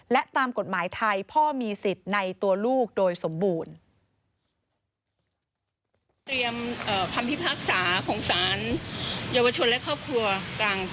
และตามกฎหมายไทยพ่อมีสิทธิ์ในตัวลูกโดยสมบูรณ์